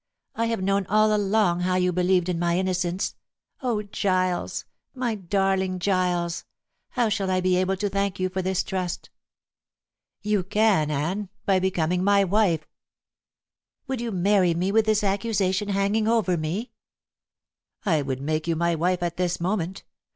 "I have known all along how you believed in my innocence. Oh, Giles, my darling Giles, how shall I be able to thank you for this trust?" "You can, Anne, by becoming my wife." "Would you marry me with this accusation hanging over me?" "I would make you my wife at this moment.